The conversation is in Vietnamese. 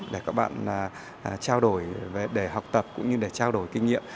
để các bạn trao đổi để học tập cũng như để trao đổi kinh nghiệm